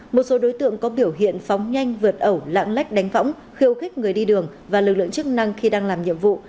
một số đối tượng có biểu hiện phóng nhanh vượt ẩu lạng lách đánh võng khiêu khích người đi đường và lực lượng chức năng khi đang làm nhiệm vụ